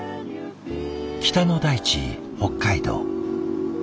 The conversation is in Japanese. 北の大地北海道。